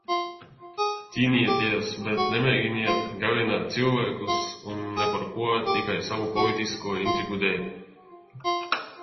Cīnieties, bet nemēģiniet galināt cilvēkus, un ne par ko, tikai savu politisko intrigu dēļ.